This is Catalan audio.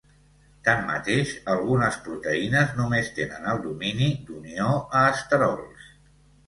Tanmateix, algunes proteïnes només tenen el domini d'unió a esterols.